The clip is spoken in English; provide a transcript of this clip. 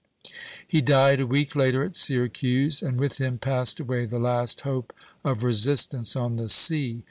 He died a week later at Syracuse, and with him passed away the last hope of resistance on the sea.